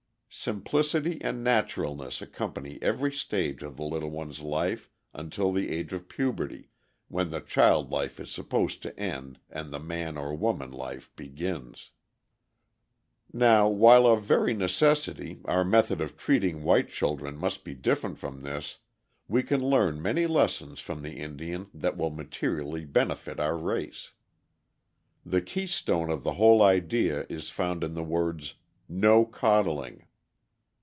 Simplicity and naturalness accompany every stage of the little one's life until the age of puberty, when the child life is supposed to end, and the man or woman life begins. [Illustration: A HEALTHY AND HAPPY INDIAN BABY.] Now, while of very necessity our method of treating white children must be different from this, we can learn many lessons from the Indian that will materially benefit our race. The key stone of the whole idea is found in the words: "No coddling."